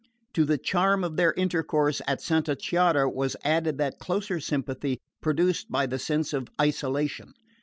To the charm of their intercourse at Santa Chiara was added that closer sympathy produced by the sense of isolation.